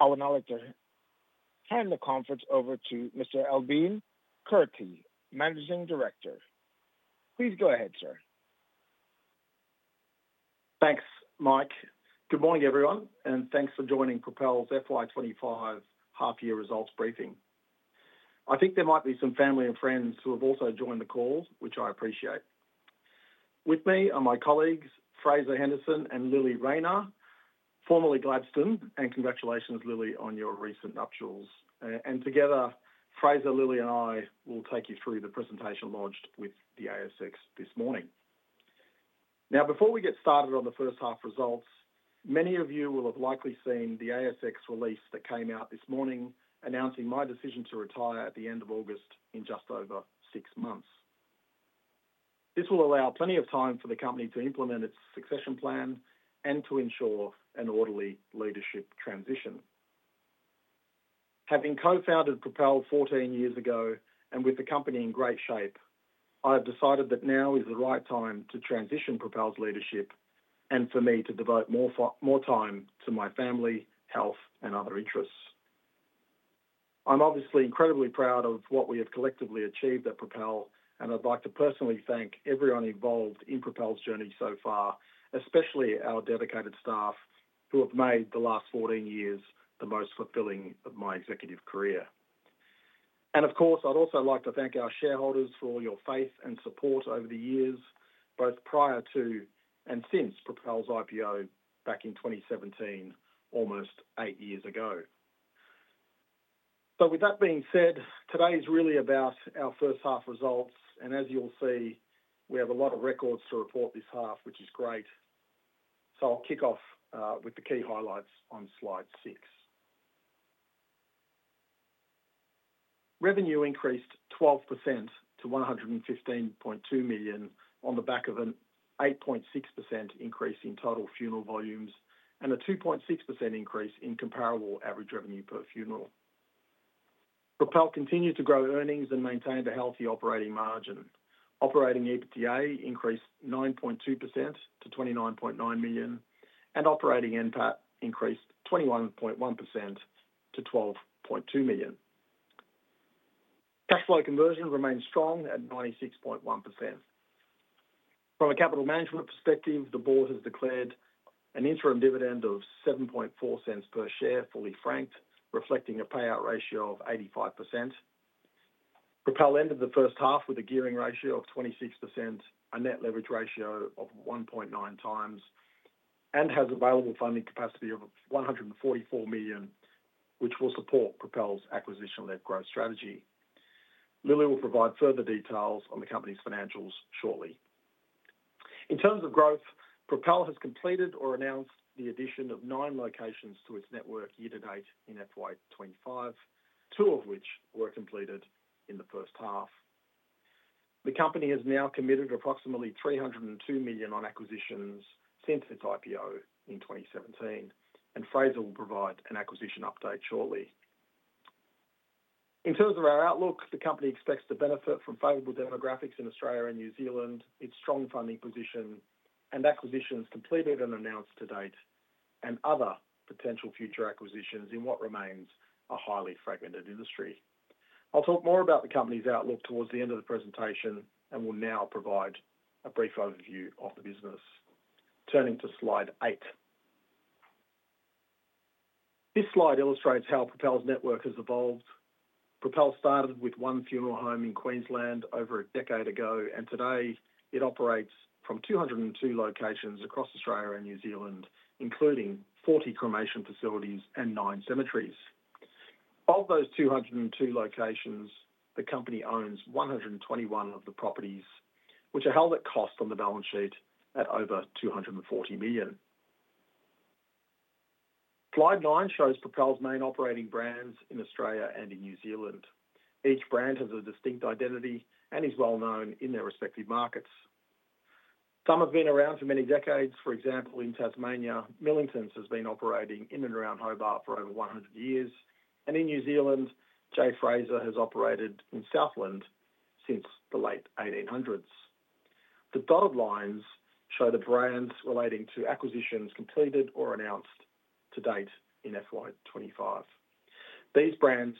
I will now like to hand the conference over to Mr. Albin Kurti, Managing Director. Please go ahead, sir. Thanks, Mike. Good morning, everyone, and thanks for joining Propel's FY25 half-year results briefing. I think there might be some family and friends who have also joined the call, which I appreciate. With me are my colleagues, Fraser Henderson and Lilli Raynar, formerly Gladstone, and congratulations, Lilli, on your recent nuptials, and together, Fraser, Lilli, and I will take you through the presentation lodged with the ASX this morning. Now, before we get started on the first half results, many of you will have likely seen the ASX release that came out this morning announcing my decision to retire at the end of August in just over six months. This will allow plenty of time for the company to implement its succession plan and to ensure an orderly leadership transition. Having co-founded Propel 14 years ago and with the company in great shape, I have decided that now is the right time to transition Propel's leadership and for me to devote more time to my family, health, and other interests. I'm obviously incredibly proud of what we have collectively achieved at Propel, and I'd like to personally thank everyone involved in Propel's journey so far, especially our dedicated staff who have made the last 14 years the most fulfilling of my executive career. And of course, I'd also like to thank our shareholders for all your faith and support over the years, both prior to and since Propel's IPO back in 2017, almost eight years ago. But with that being said, today's really about our first half results, and as you'll see, we have a lot of records to report this half, which is great. I'll kick off with the key highlights on slide six. Revenue increased 12% to 115.2 million on the back of an 8.6% increase in total funeral volumes and a 2.6% increase in comparable average revenue per funeral. Propel continued to grow earnings and maintained a healthy operating margin. Operating EBITDA increased 9.2% to 29.9 million, and operating NPAT increased 21.1% to 12.2 million. Cash flow conversion remained strong at 96.1%. From a capital management perspective, the board has declared an interim dividend of 0.074 per share, fully franked, reflecting a payout ratio of 85%. Propel ended the first half with a gearing ratio of 26%, a net leverage ratio of 1.9 times, and has available funding capacity of 144 million, which will support Propel's acquisition-led growth strategy. Lilli will provide further details on the company's financials shortly. In terms of growth, Propel has completed or announced the addition of nine locations to its network year to date in FY25, two of which were completed in the first half. The company has now committed approximately AUD 302 million on acquisitions since its IPO in 2017, and Fraser will provide an acquisition update shortly. In terms of our outlook, the company expects to benefit from favorable demographics in Australia and New Zealand, its strong funding position, and acquisitions completed and announced to date, and other potential future acquisitions in what remains a highly fragmented industry. I'll talk more about the company's outlook towards the end of the presentation and will now provide a brief overview of the business. Turning to slide eight. This slide illustrates how Propel's network has evolved. Propel started with one funeral home in Queensland over a decade ago, and today it operates from 202 locations across Australia and New Zealand, including 40 cremation facilities and nine cemeteries. Of those 202 locations, the company owns 121 of the properties, which are held at cost on the balance sheet at over 240 million. Slide nine shows Propel's main operating brands in Australia and in New Zealand. Each brand has a distinct identity and is well known in their respective markets. Some have been around for many decades. For example, in Tasmania, Millingtons has been operating in and around Hobart for over 100 years, and in New Zealand, J. Fraser has operated in Southland since the late 1800s. The dotted lines show the brands relating to acquisitions completed or announced to date in FY25. These brands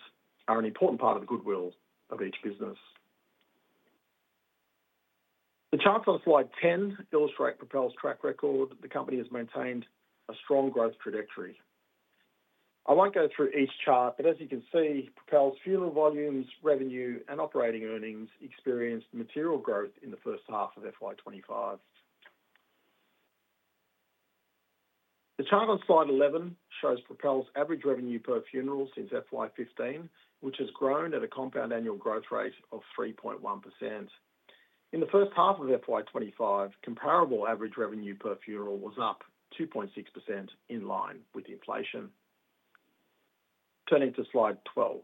are an important part of the goodwill of each business. The charts on slide 10 illustrate Propel's track record. The company has maintained a strong growth trajectory. I won't go through each chart, but as you can see, Propel's funeral volumes, revenue, and operating earnings experienced material growth in the first half of FY25. The chart on slide 11 shows Propel's average revenue per funeral since FY15, which has grown at a compound annual growth rate of 3.1%. In the first half of FY25, comparable average revenue per funeral was up 2.6% in line with inflation. Turning to slide 12,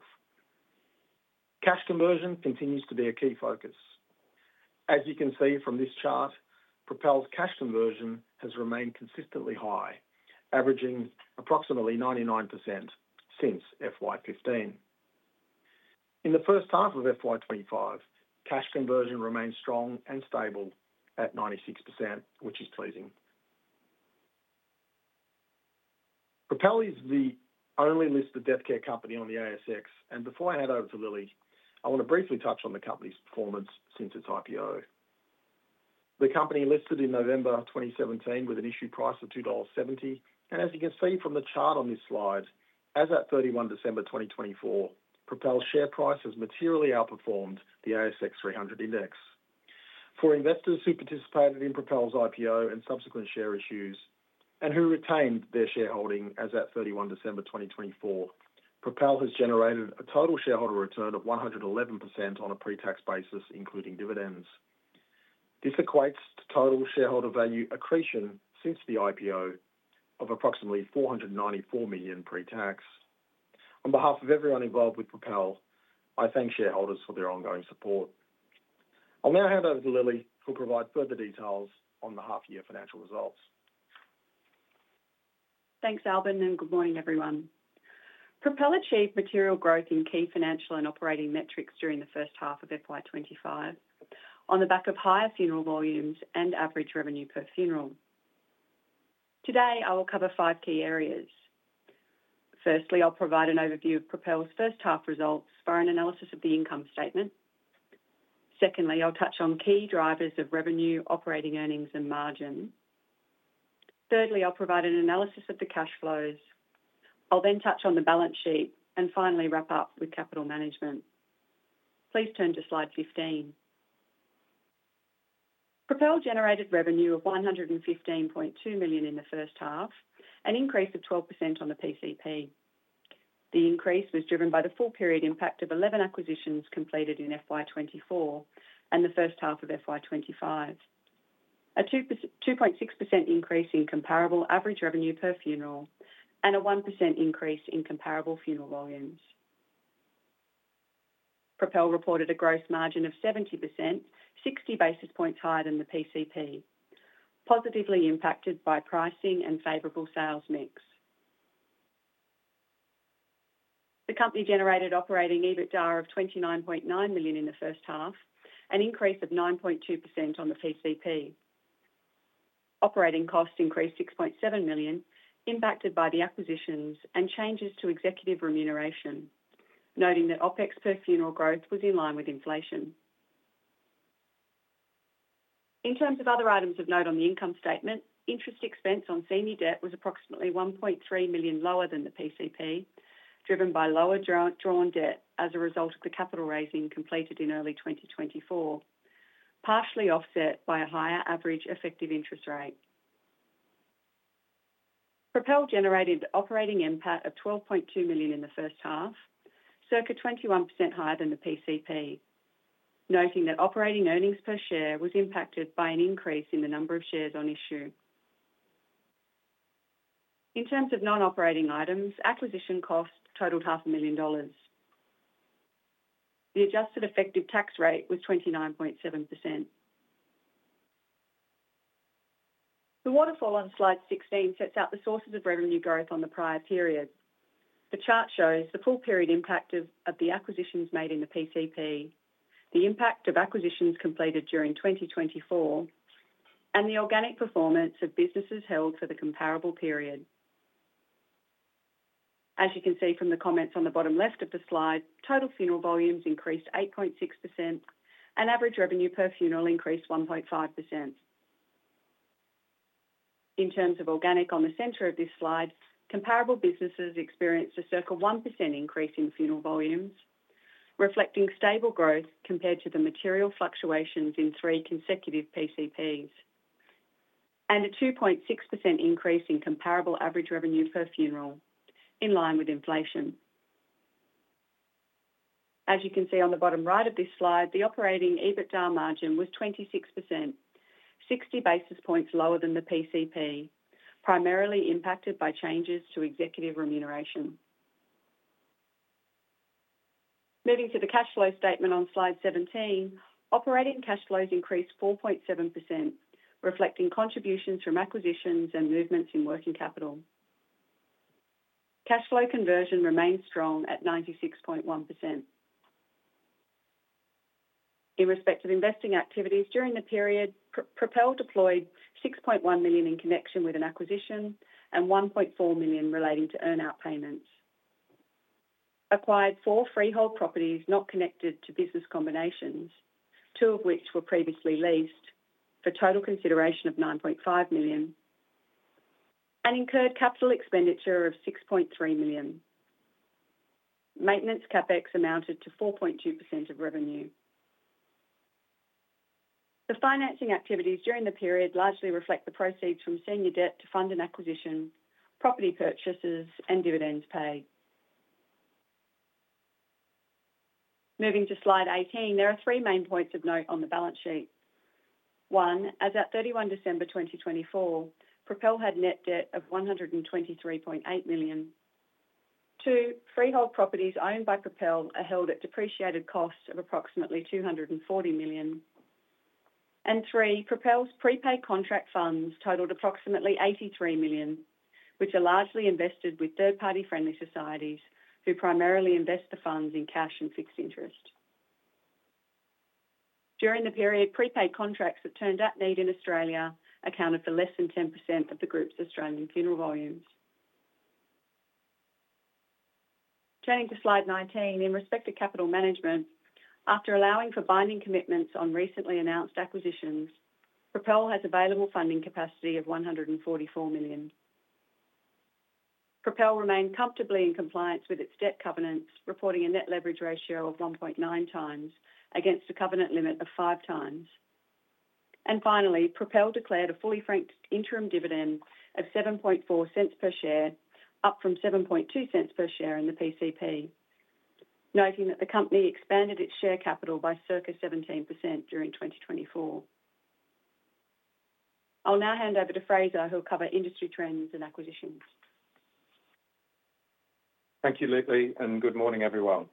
cash conversion continues to be a key focus. As you can see from this chart, Propel's cash conversion has remained consistently high, averaging approximately 99% since FY15. In the first half of FY25, cash conversion remained strong and stable at 96%, which is pleasing. Propel is the only listed death care company on the ASX, and before I hand over to Lilli, I want to briefly touch on the company's performance since its IPO. The company listed in November 2017 with an issue price of 2.70 dollars, and as you can see from the chart on this slide, as at 31 December 2024, Propel's share price has materially outperformed the ASX 300 index. For investors who participated in Propel's IPO and subsequent share issues, and who retained their shareholding as at 31 December 2024, Propel has generated a total shareholder return of 111% on a pre-tax basis, including dividends. This equates to total shareholder value accretion since the IPO of approximately 494 million pre-tax. On behalf of everyone involved with Propel, I thank shareholders for their ongoing support. I'll now hand over to Lilli, who will provide further details on the half-year financial results. Thanks, Albin, and good morning, everyone. Propel achieved material growth in key financial and operating metrics during the first half of FY25 on the back of higher funeral volumes and average revenue per funeral. Today, I will cover five key areas. Firstly, I'll provide an overview of Propel's first half results for an analysis of the income statement. Secondly, I'll touch on key drivers of revenue, operating earnings, and margin. Thirdly, I'll provide an analysis of the cash flows. I'll then touch on the balance sheet and finally wrap up with capital management. Please turn to slide 15. Propel generated revenue of 115.2 million in the first half, an increase of 12% on the PCP. The increase was driven by the full period impact of 11 acquisitions completed in FY24 and the first half of FY25, a 2.6% increase in comparable average revenue per funeral, and a 1% increase in comparable funeral volumes. Propel reported a gross margin of 70%, 60 basis points higher than the PCP, positively impacted by pricing and favorable sales mix. The company generated operating EBITDA of 29.9 million in the first half, an increase of 9.2% on the PCP. Operating costs increased 6.7 million, impacted by the acquisitions and changes to executive remuneration, noting that OPEX per funeral growth was in line with inflation. In terms of other items of note on the income statement, interest expense on senior debt was approximately 1.3 million lower than the PCP, driven by lower drawn debt as a result of the capital raising completed in early 2024, partially offset by a higher average effective interest rate. Propel generated operating NPAT of 12.2 million in the first half, circa 21% higher than the PCP, noting that operating earnings per share was impacted by an increase in the number of shares on issue. In terms of non-operating items, acquisition costs totaled 500,000 dollars. The adjusted effective tax rate was 29.7%. The waterfall on slide 16 sets out the sources of revenue growth on the prior period. The chart shows the full period impact of the acquisitions made in the PCP, the impact of acquisitions completed during 2024, and the organic performance of businesses held for the comparable period. As you can see from the comments on the bottom left of the slide, total funeral volumes increased 8.6%, and average revenue per funeral increased 1.5%. In terms of organic, on the center of this slide, comparable businesses experienced a circa 1% increase in funeral volumes, reflecting stable growth compared to the material fluctuations in three consecutive PCPs, and a 2.6% increase in comparable average revenue per funeral in line with inflation. As you can see on the bottom right of this slide, the operating EBITDA margin was 26%, 60 basis points lower than the PCP, primarily impacted by changes to executive remuneration. Moving to the cash flow statement on slide 17, operating cash flows increased 4.7%, reflecting contributions from acquisitions and movements in working capital. Cash flow conversion remained strong at 96.1%. In respect of investing activities during the period, Propel deployed 6.1 million in connection with an acquisition and 1.4 million relating to earnout payments. Acquired four freehold properties not connected to business combinations, two of which were previously leased, for total consideration of 9.5 million, and incurred capital expenditure of 6.3 million. Maintenance CapEx amounted to 4.2% of revenue. The financing activities during the period largely reflect the proceeds from senior debt to fund an acquisition, property purchases, and dividends paid. Moving to slide 18, there are three main points of note on the balance sheet. One, as at 31 December 2024, Propel had net debt of 123.8 million. Two, freehold properties owned by Propel are held at depreciated costs of approximately 240 million. And three, Propel's prepaid contract funds totaled approximately 83 million, which are largely invested with third-party friendly societies who primarily invest the funds in cash and fixed interest. During the period, prepaid contracts that turned at need in Australia accounted for less than 10% of the group's Australian funeral volumes. Turning to slide 19, in respect of capital management, after allowing for binding commitments on recently announced acquisitions, Propel has available funding capacity of 144 million. Propel remained comfortably in compliance with its debt covenants, reporting a net leverage ratio of 1.9 times against a covenant limit of five times. Finally, Propel declared a fully franked interim dividend of 0.074 per share, up from 0.072 per share in the PCP, noting that the company expanded its share capital by circa 17% during 2024. I'll now hand over to Fraser, who will cover industry trends and acquisitions. Thank you, Lilli, and good morning, everyone.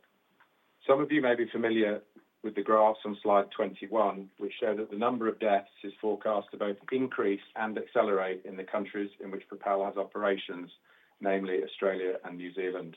Some of you may be familiar with the graphs on slide 21, which show that the number of deaths is forecast to both increase and accelerate in the countries in which Propel has operations, namely Australia and New Zealand.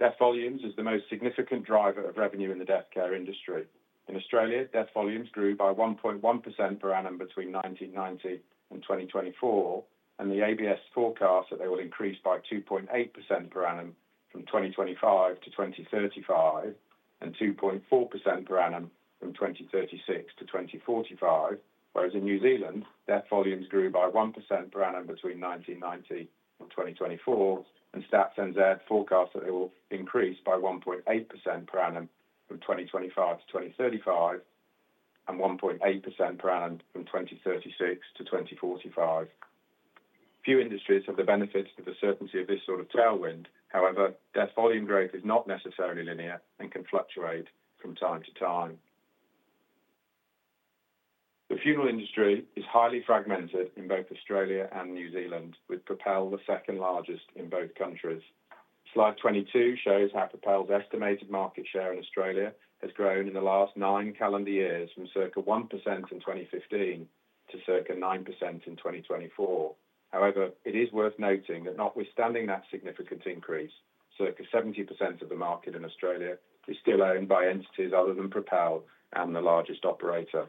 Death volumes is the most significant driver of revenue in the death care industry. In Australia, death volumes grew by 1.1% per annum between 1990 and 2024, and the ABS forecast that they will increase by 2.8% per annum from 2025 to 2035, and 2.4% per annum from 2036 to 2045, whereas in New Zealand, death volumes grew by 1% per annum between 1990 and 2024, and Stats NZ forecast that they will increase by 1.8% per annum from 2025 to 2035, and 1.8% per annum from 2036 to 2045. Few industries have the benefit of the certainty of this sort of tailwind. However, death volume growth is not necessarily linear and can fluctuate from time to time. The funeral industry is highly fragmented in both Australia and New Zealand, with Propel the second largest in both countries. Slide 22 shows how Propel's estimated market share in Australia has grown in the last nine calendar years from circa 1% in 2015 to circa 9% in 2024. However, it is worth noting that notwithstanding that significant increase, circa 70% of the market in Australia is still owned by entities other than Propel and the largest operator.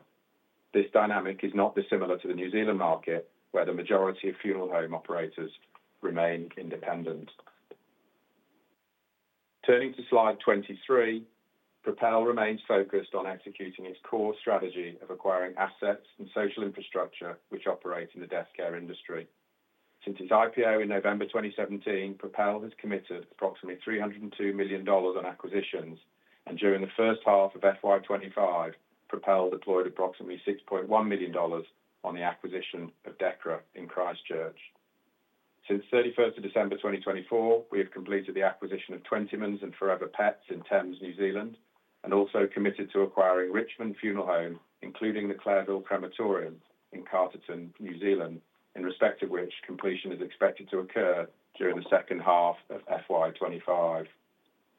This dynamic is not dissimilar to the New Zealand market, where the majority of funeral home operators remain independent. Turning to Slide 23, Propel remains focused on executing its core strategy of acquiring assets and social infrastructure which operate in the death care industry. Since its IPO in November 2017, Propel has committed approximately 302 million dollars on acquisitions, and during the first half of FY25, Propel deployed approximately 6.1 million dollars on the acquisition of Decra in Christchurch. Since 31 December 2024, we have completed the acquisition of Twentymans and Forever Pets in Thames, New Zealand, and also committed to acquiring Richmond Funeral Home, including the Clareville Crematorium in Carterton, New Zealand, in respect of which completion is expected to occur during the second half of FY25.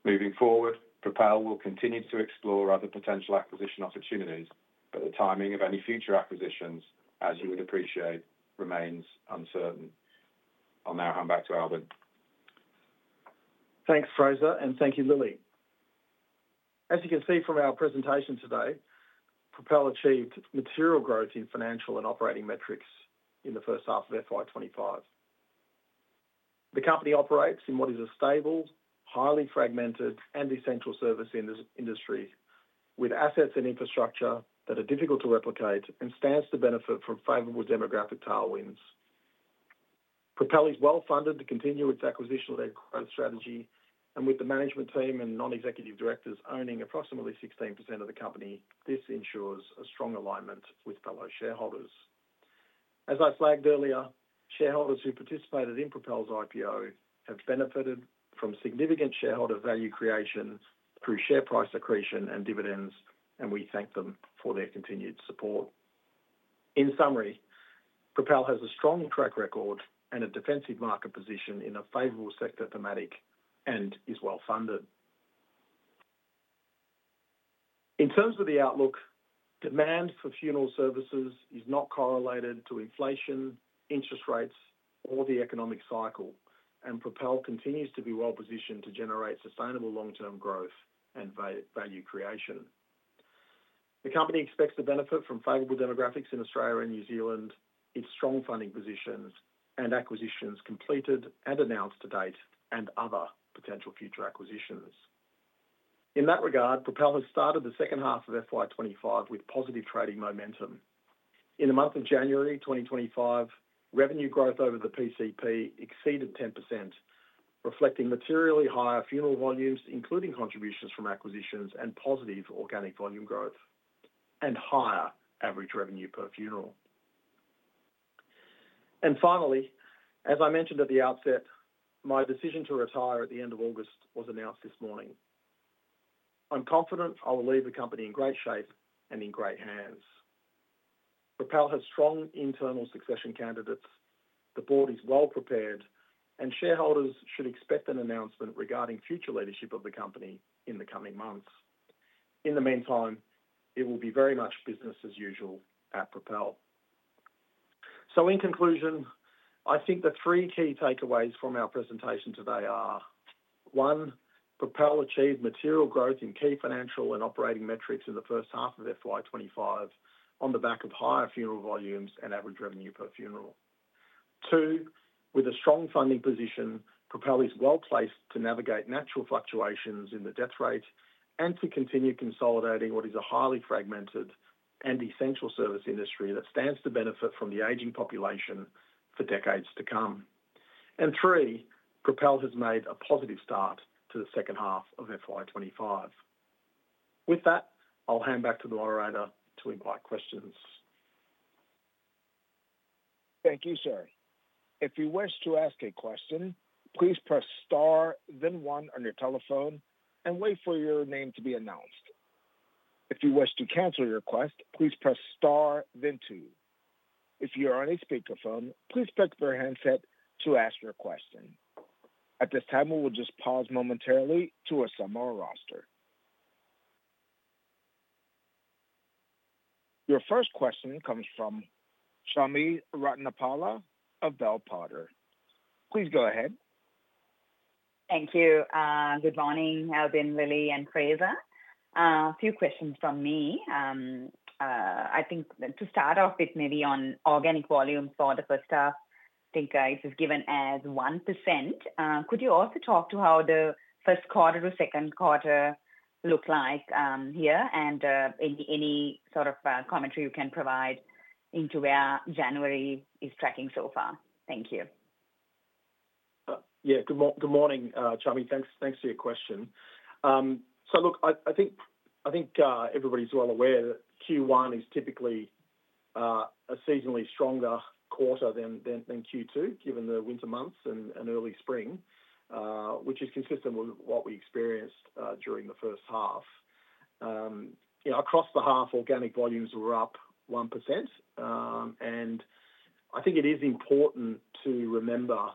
Moving forward, Propel will continue to explore other potential acquisition opportunities, but the timing of any future acquisitions, as you would appreciate, remains uncertain. I'll now hand back to Albin. Thanks, Fraser, and thank you, Lilli. As you can see from our presentation today, Propel achieved material growth in financial and operating metrics in the first half of FY25. The company operates in what is a stable, highly fragmented, and essential service industry with assets and infrastructure that are difficult to replicate and stands to benefit from favorable demographic tailwinds. Propel is well funded to continue its acquisition-led growth strategy, and with the management team and non-executive directors owning approximately 16% of the company, this ensures a strong alignment with fellow shareholders. As I flagged earlier, shareholders who participated in Propel's IPO have benefited from significant shareholder value creation through share price accretion and dividends, and we thank them for their continued support. In summary, Propel has a strong track record and a defensive market position in a favorable sector thematic and is well funded. In terms of the outlook, demand for funeral services is not correlated to inflation, interest rates, or the economic cycle, and Propel continues to be well positioned to generate sustainable long-term growth and value creation. The company expects to benefit from favorable demographics in Australia and New Zealand, its strong funding positions, and acquisitions completed and announced to date, and other potential future acquisitions. In that regard, Propel has started the second half of FY25 with positive trading momentum. In the month of January 2025, revenue growth over the PCP exceeded 10%, reflecting materially higher funeral volumes, including contributions from acquisitions and positive organic volume growth, and higher average revenue per funeral. And finally, as I mentioned at the outset, my decision to retire at the end of August was announced this morning. I'm confident I will leave the company in great shape and in great hands. Propel has strong internal succession candidates, the board is well prepared, and shareholders should expect an announcement regarding future leadership of the company in the coming months. In the meantime, it will be very much business as usual at Propel. So in conclusion, I think the three key takeaways from our presentation today are: one, Propel achieved material growth in key financial and operating metrics in the first half of FY25 on the back of higher funeral volumes and average revenue per funeral. Two, with a strong funding position, Propel is well placed to navigate natural fluctuations in the death rate and to continue consolidating what is a highly fragmented and essential service industry that stands to benefit from the aging population for decades to come. And three, Propel has made a positive start to the second half of FY25. With that, I'll hand back to the moderator to invite questions. Thank you, sir. If you wish to ask a question, please press star, then one on your telephone, and wait for your name to be announced. If you wish to cancel your request, please press star, then two. If you are on a speakerphone, please pick up your handset to ask your question. At this time, we will just pause momentarily to assemble our roster. Your first question comes from Chami Ratnapala of Bell Potter. Please go ahead. Thank you. Good morning, Lilli and Fraser. A few questions from me. I think to start off with, maybe on organic volume for the first half, I think it is given as 1%. Could you also talk to how the first quarter to second quarter look like here, and any sort of commentary you can provide into where January is tracking so far? Thank you. Yeah, good morning, Shami. Thanks for your question. So look, I think everybody's well aware that Q1 is typically a seasonally stronger quarter than Q2, given the winter months and early spring, which is consistent with what we experienced during the first half. Across the half, organic volumes were up 1%, and I think it is important to remember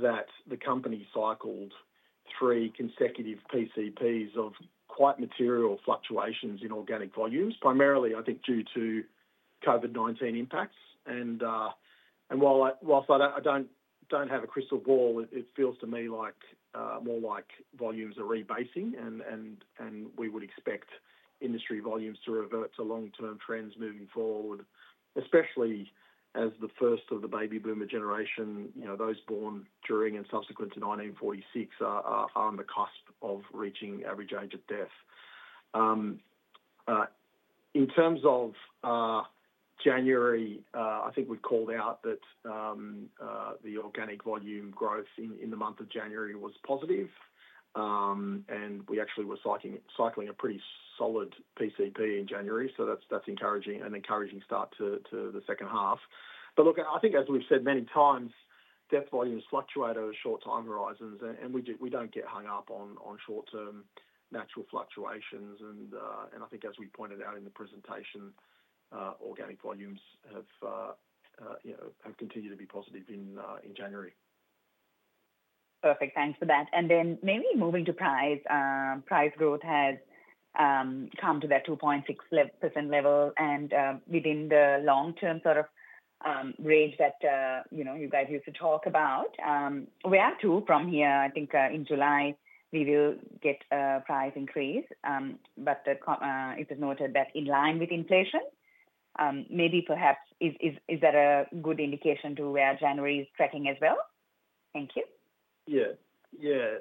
that the company cycled three consecutive PCPs of quite material fluctuations in organic volumes, primarily, I think, due to COVID-19 impacts. And whilst I don't have a crystal ball, it feels to me more like volumes are rebasing, and we would expect industry volumes to revert to long-term trends moving forward, especially as the first of the baby boomer generation, those born during and subsequent to 1946, are on the cusp of reaching average age of death. In terms of January, I think we've called out that the organic volume growth in the month of January was positive, and we actually were cycling a pretty solid PCP in January, so that's an encouraging start to the second half, but look, I think, as we've said many times, death volumes fluctuate over short-term horizons, and we don't get hung up on short-term natural fluctuations, and I think, as we pointed out in the presentation, organic volumes have continued to be positive in January. Perfect. Thanks for that. And then maybe moving to price. Price growth has come to that 2.6% level, and within the long-term sort of range that you guys used to talk about, we are too from here. I think in July, we will get a price increase, but it is noted that in line with inflation. Maybe perhaps is that a good indication to where January is tracking as well? Thank you. Yeah. Yeah.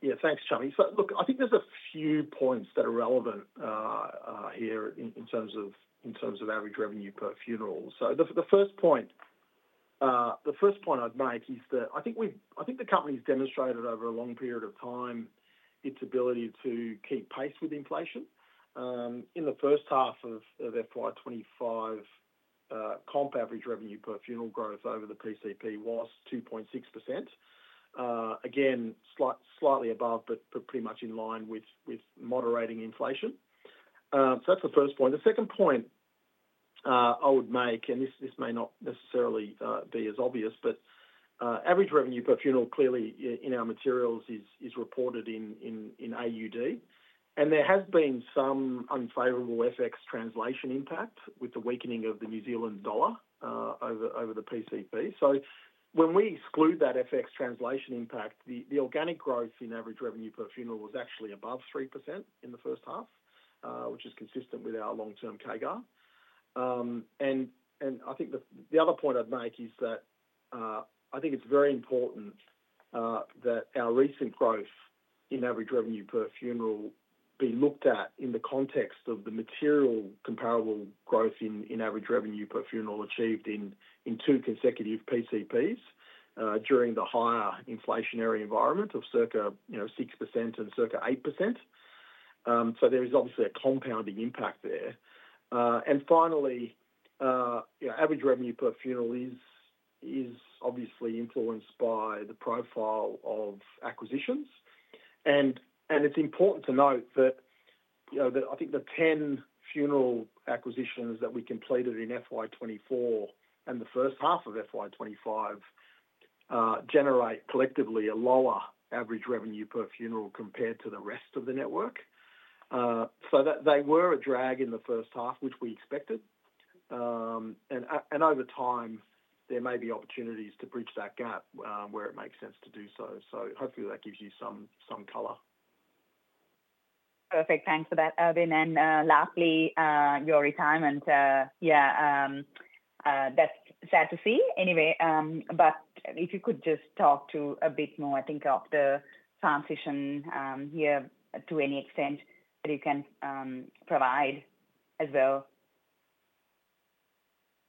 Yeah. Thanks, Shami. Look, I think there's a few points that are relevant here in terms of average revenue per funeral. So the first point, the first point I'd make is that I think the company's demonstrated over a long period of time its ability to keep pace with inflation. In the first half of FY25, comp average revenue per funeral growth over the PCP was 2.6%. Again, slightly above, but pretty much in line with moderating inflation. So that's the first point. The second point I would make, and this may not necessarily be as obvious, but average revenue per funeral clearly in our materials is reported in AUD, and there has been some unfavorable FX translation impact with the weakening of the New Zealand dollar over the PCP. So when we exclude that FX translation impact, the organic growth in average revenue per funeral was actually above 3% in the first half, which is consistent with our long-term CAGR. And I think the other point I'd make is that I think it's very important that our recent growth in average revenue per funeral be looked at in the context of the material comparable growth in average revenue per funeral achieved in two consecutive PCPs during the higher inflationary environment of circa 6% and circa 8%. So there is obviously a compounding impact there. And finally, average revenue per funeral is obviously influenced by the profile of acquisitions. And it's important to note that I think the 10 funeral acquisitions that we completed in FY24 and the first half of FY25 generate collectively a lower average revenue per funeral compared to the rest of the network. So they were a drag in the first half, which we expected. And over time, there may be opportunities to bridge that gap where it makes sense to do so. So hopefully that gives you some color. Perfect. Thanks for that, Albin. And lastly, your retirement, yeah, that's sad to see anyway. But if you could just talk a bit more, I think, of the transition here to any extent that you can provide as well.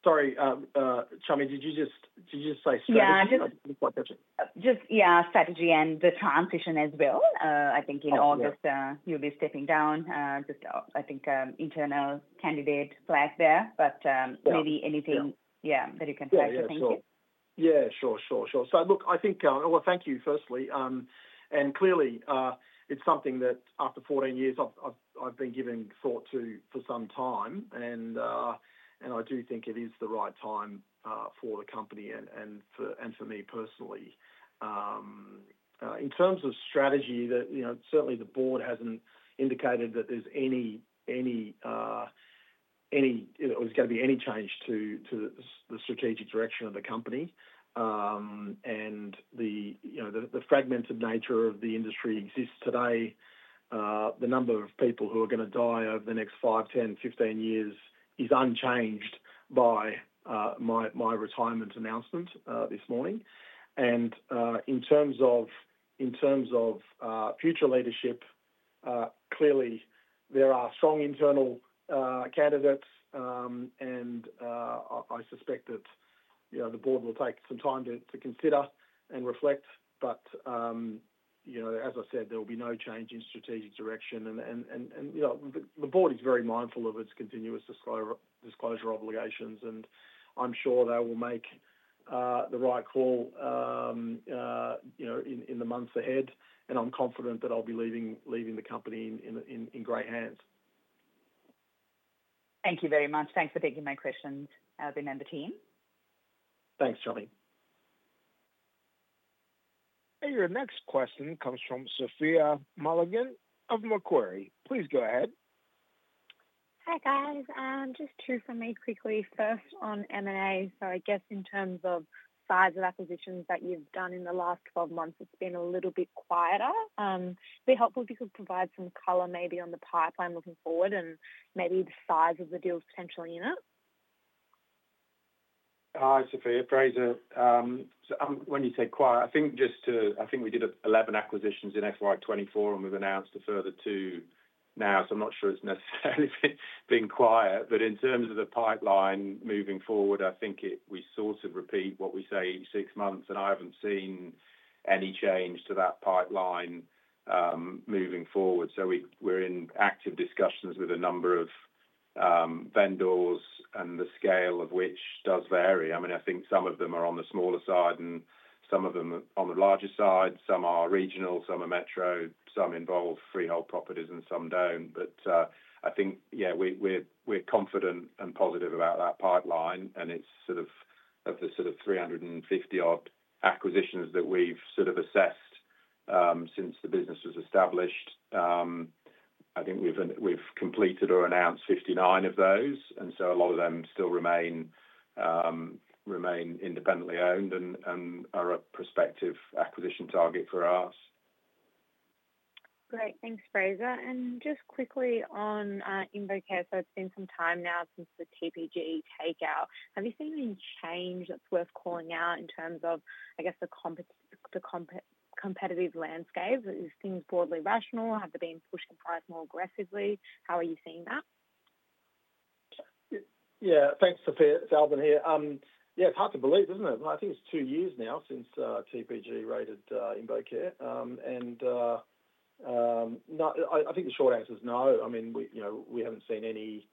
Sorry, Shami, did you just say strategy? Yeah, I just. I didn't quite catch it. Just, yeah, strategy and the transition as well. I think in August, you'll be stepping down. Just, I think internal candidate flag there, but maybe anything, yeah, that you can say. So thank you. Yeah, sure. Sure. Sure. So look, I think. Well, thank you firstly. Clearly, it's something that after 14 years I've been giving thought to for some time, and I do think it is the right time for the company and for me personally. In terms of strategy, certainly the board hasn't indicated that there's any or there's going to be any change to the strategic direction of the company. The fragmented nature of the industry exists today. The number of people who are going to die over the next 5, 10, 15 years is unchanged by my retirement announcement this morning. In terms of future leadership, clearly there are strong internal candidates, and I suspect that the board will take some time to consider and reflect. As I said, there will be no change in strategic direction. The board is very mindful of its continuous disclosure obligations, and I'm sure they will make the right call in the months ahead. I'm confident that I'll be leaving the company in great hands. Thank you very much. Thanks for taking my questions, Albin and the team. Thanks, Shami. And your next question comes from Sophia Mulligan of Macquarie. Please go ahead. Hi guys. Just two for me quickly. First, on M&A, so I guess in terms of size of acquisitions that you've done in the last 12 months, it's been a little bit quieter. It'd be helpful if you could provide some color maybe on the pipeline looking forward and maybe the size of the deals potentially in it. Hi, Sophia. Fraser. So when you say quiet, I think just to, I think we did 11 acquisitions in FY24, and we've announced a further two now, so I'm not sure it's necessarily been quiet. But in terms of the pipeline moving forward, I think we sort of repeat what we say six months, and I haven't seen any change to that pipeline moving forward. So we're in active discussions with a number of vendors, and the scale of which does vary. I mean, I think some of them are on the smaller side and some of them are on the larger side. Some are regional, some are metro, some involve freehold properties, and some don't. But I think, yeah, we're confident and positive about that pipeline, and it's sort of the sort of 350-odd acquisitions that we've sort of assessed since the business was established. I think we've completed or announced 59 of those, and so a lot of them still remain independently owned and are a prospective acquisition target for us. Great. Thanks, Fraser. And just quickly on InvoCare, so it's been some time now since the TPG takeout. Have you seen any change that's worth calling out in terms of, I guess, the competitive landscape? Is things broadly rational? Have they been pushing price more aggressively? How are you seeing that? Yeah. Thanks, Sophia. It's Albin here. Yeah, it's hard to believe, isn't it? I think it's two years now since TPG raided InvoCare. And I think the short answer is no. I mean, we haven't seen any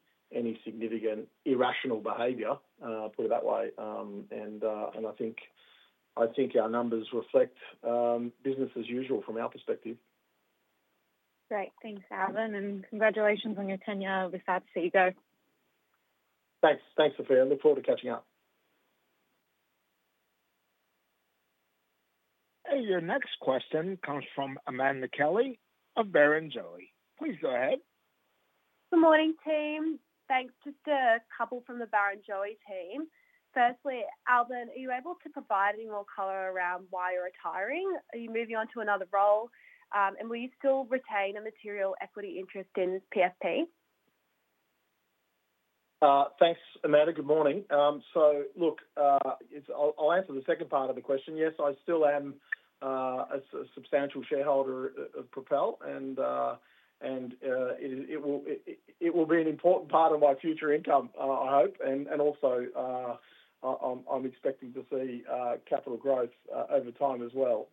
significant irrational behavior, put it that way. And I think our numbers reflect business as usual from our perspective. Great. Thanks, Albin, and congratulations on your tenure with Propel. Go. Thanks. Thanks, Sophia. I look forward to catching up. And your next question comes from Amanda Kelly of Barrenjoey. Please go ahead. Good morning, team. Thanks. Just a couple from the Barrenjoey team. Firstly, Albin, are you able to provide any more color around why you're retiring? Are you moving on to another role? And will you still retain a material equity interest in PFP? Thanks, Amanda. Good morning. So look, I'll answer the second part of the question. Yes, I still am a substantial shareholder of Propel, and it will be an important part of my future income, I hope. And also, I'm expecting to see capital growth over time as well.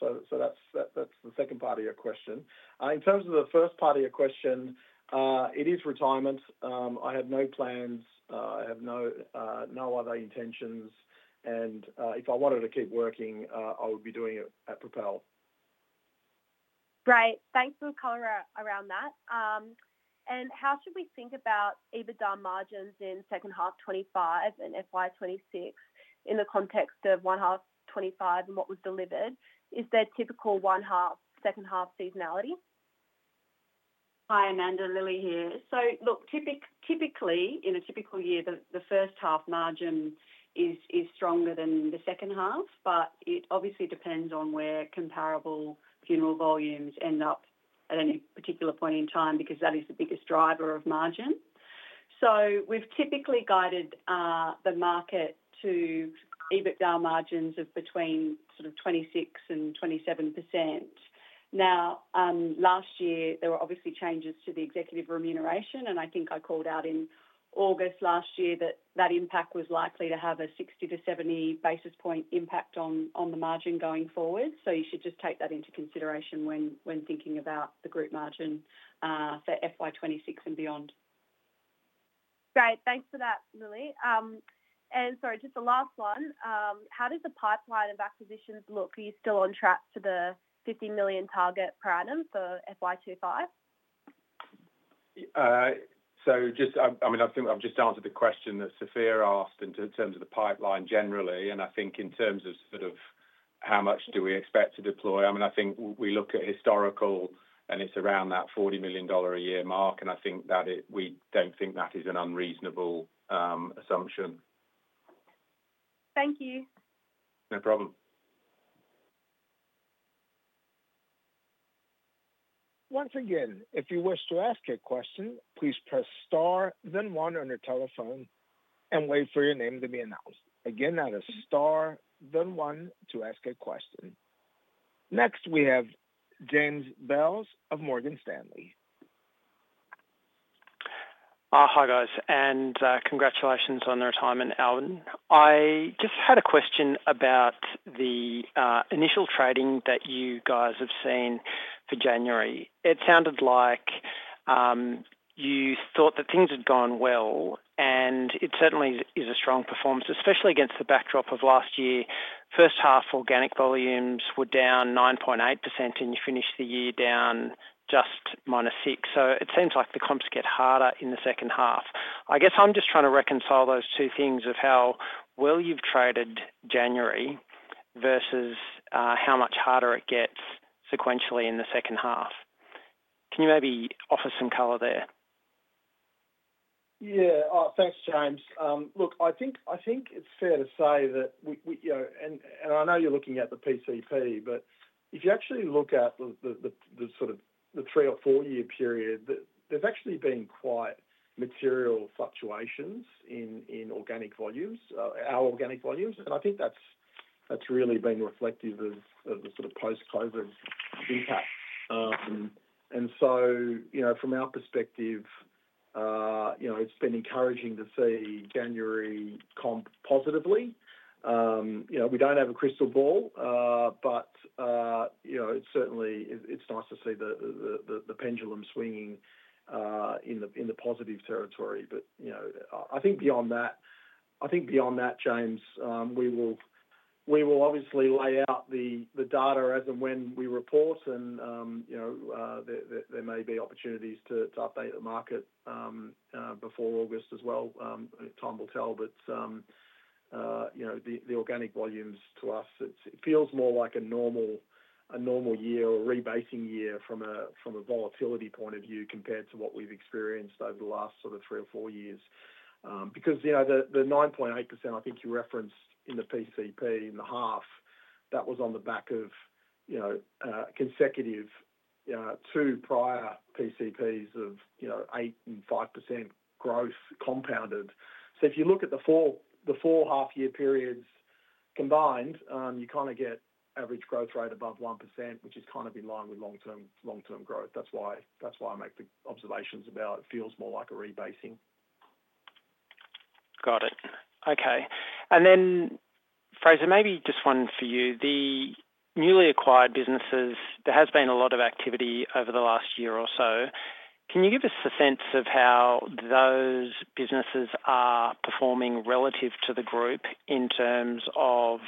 So that's the second part of your question. In terms of the first part of your question, it is retirement. I have no plans. I have no other intentions. And if I wanted to keep working, I would be doing it at Propel. Right. Thanks for the color around that. And how should we think about EBITDA margins in second half 2025 and FY 2026 in the context of first half 2025 and what was delivered? Is there typical first half, second half seasonality? Hi, Amanda. Lilli here. So look, typically, in a typical year, the first half margin is stronger than the second half, but it obviously depends on where comparable funeral volumes end up at any particular point in time because that is the biggest driver of margin. So we've typically guided the market to EBITDA margins of between sort of 26%-27%. Now, last year, there were obviously changes to the executive remuneration, and I think I called out in August last year that that impact was likely to have a 60 to 70 basis point impact on the margin going forward. So you should just take that into consideration when thinking about the group margin for FY26 and beyond. Great. Thanks for that, Lilli. And sorry, just the last one. How does the pipeline of acquisitions look? Are you still on track to the 50 million target per item for FY25? So, just, I mean, I've just answered the question that Sophia asked in terms of the pipeline generally, and I think in terms of sort of how much do we expect to deploy. I mean, I think we look at historical, and it's around that 40 million dollar a year mark, and I think that we don't think that is an unreasonable assumption. Thank you. No problem. Once again, if you wish to ask a question, please press star then one on your telephone and wait for your name to be announced. Again, that is star then one to ask a question. Next, we have James Bales of Morgan Stanley. Hi, guys. Congratulations on the interim, and Albin. I just had a question about the initial trading that you guys have seen for January. It sounded like you thought that things had gone well, and it certainly is a strong performance, especially against the backdrop of last year. First half organic volumes were down 9.8%, and you finished the year down just -6%. So it seems like the comps get harder in the second half. I guess I'm just trying to reconcile those two things of how well you've traded January versus how much harder it gets sequentially in the second half. Can you maybe offer some color there? Yeah. Thanks, James. Look, I think it's fair to say that we and I know you're looking at the PCP, but if you actually look at the sort of the three or four-year period, there's actually been quite material fluctuations in organic volumes, our organic volumes. And I think that's really been reflective of the sort of post-COVID impact. And so from our perspective, it's been encouraging to see January comp positively. We don't have a crystal ball, but it's certainly nice to see the pendulum swinging in the positive territory. But I think beyond that, I think beyond that, James, we will obviously lay out the data as and when we report, and there may be opportunities to update the market before August as well. Time will tell. But the organic volumes to us, it feels more like a normal year or rebasing year from a volatility point of view compared to what we've experienced over the last sort of three or four years. Because the 9.8% I think you referenced in the PCP, in the half, that was on the back of consecutive two prior PCPs of 8% and 5% growth compounded. So if you look at the four half-year periods combined, you kind of get average growth rate above 1%, which is kind of in line with long-term growth. That's why I make the observations about it feels more like a rebasing. Got it. Okay, and then, Fraser, maybe just one for you. The newly acquired businesses, there has been a lot of activity over the last year or so. Can you give us a sense of how those businesses are performing relative to the group in terms of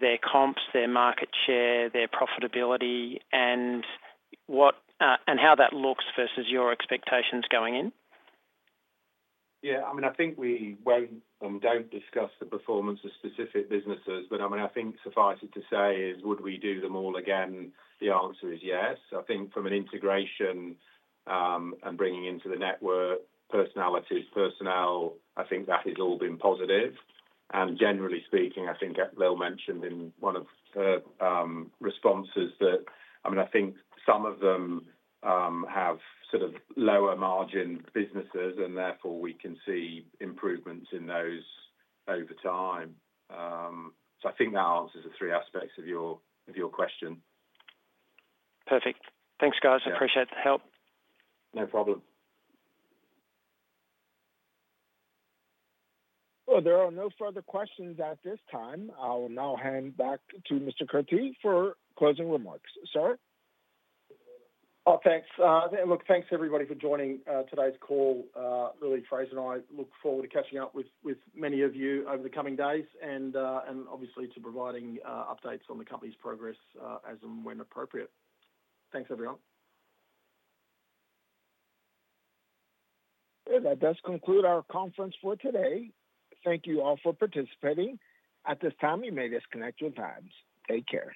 their comps, their market share, their profitability, and how that looks versus your expectations going in? Yeah. I mean, I think we won't and don't discuss the performance of specific businesses, but I mean, I think suffice it to say is, would we do them all again? The answer is yes. I think from an integration and bringing into the network, personalities, personnel, I think that has all been positive. And generally speaking, I think Lilli mentioned in one of her responses that, I mean, I think some of them have sort of lower margin businesses, and therefore we can see improvements in those over time. So I think that answers the three aspects of your question. Perfect. Thanks, guys. I appreciate the help. No problem. There are no further questions at this time. I will now hand back to Mr. Kurti for closing remarks. Sir? Oh, thanks. Look, thanks everybody for joining today's call. Lilli, Fraser, and I look forward to catching up with many of you over the coming days and obviously to providing updates on the company's progress as and when appropriate. Thanks, everyone. That does conclude our conference for today. Thank you all for participating. At this time, you may disconnect your lines. Take care.